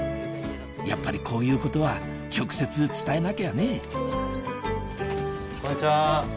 やっぱりこういうことは直接伝えなきゃね